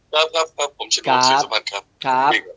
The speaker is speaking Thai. ครับครับครับผมชินวันชินสมันครับ